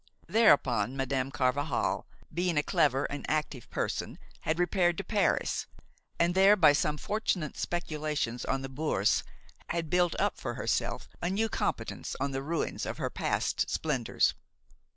Thereupon Madame Carvajal, being a clever and active person, had repaired to Paris, and there, by some fortunate speculations on the Bourse, had built up for herself a new competence on the ruins of her past splendors.